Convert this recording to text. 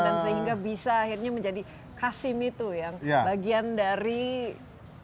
dan sehingga bisa akhirnya menjadi qasim itu ya bagian dari istana gitu